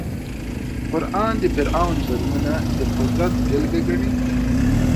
قران د فرعون ظلمونه د قدرت بېلګه ګڼي.